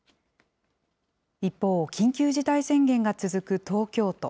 一方、緊急事態宣言が続く東京都。